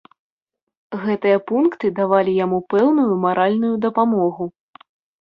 Гэтыя пункты давалі яму пэўную маральную дапамогу.